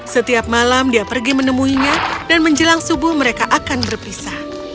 setiap malam dia pergi menemuinya dan menjelang subuh mereka akan berpisah